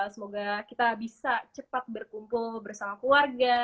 semoga kita bisa cepat berkumpul bersama keluarga